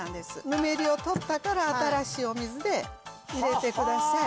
ぬめりを取ったから新しいお水で入れてください